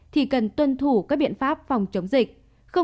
thì cần tuân thủ các biện pháp phòng chống dịch